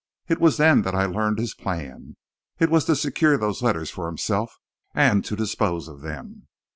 It was then that I learned his plan. It was to secure those letters for himself and to dispose of them."